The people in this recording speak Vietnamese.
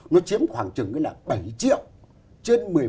nó chiếm khoảng chừng bảy triệu trên một mươi một triệu